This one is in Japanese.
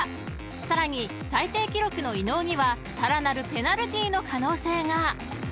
［さらに最低記録の伊野尾にはさらなるペナルティーの可能性が］